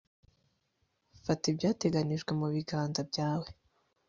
fata ibyateganijwe mu biganza byawe